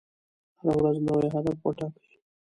هره ورځ نوی هدف وټاکئ.